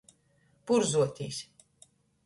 Purzuotīs.